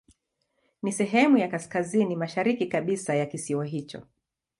Ni sehemu ya kaskazini mashariki kabisa ya kisiwa hicho.